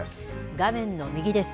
画面の右です。